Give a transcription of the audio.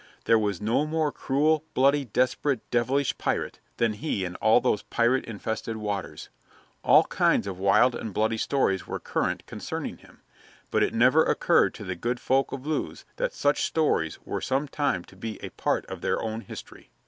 There was no more cruel, bloody, desperate, devilish pirate than he in all those pirate infested waters. All kinds of wild and bloody stories were current concerning him, but it never occurred to the good folk of Lewes that such stories were some time to be a part of their own history.